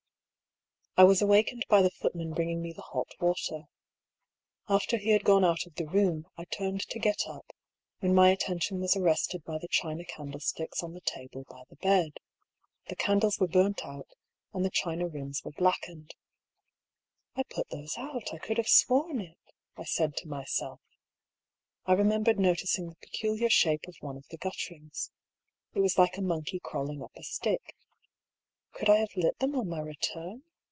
I was awakened by the footman bringing me the hot water. After he had gone out of the room, I turned to get up, when my attention was arrested by the china candlesticks on the table by the bed. ' The candles were burnt out, and the china rims were blackened. " I put those out ; I could have sworn it," I said to myself. I remembered noticing the peculiar shape of one of the gutterings. It was like a monkey crawling up a stick. Could I have lit them on my return?